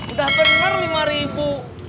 udah bener lima ribu